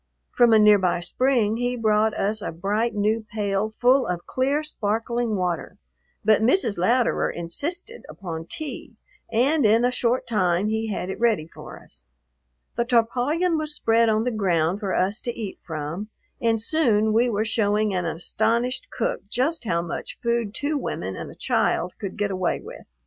From a near by spring he brought us a bright, new pail full of clear, sparkling water, but Mrs. Louderer insisted upon tea and in a short time he had it ready for us. The tarpaulin was spread on the ground for us to eat from, and soon we were showing an astonished cook just how much food two women and a child could get away with.